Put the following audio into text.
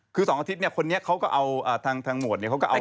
คือ๒อาทิตย์เนี่ยคนนี้เขาก็เอาทางหมวดเนี่ยเขาก็เอา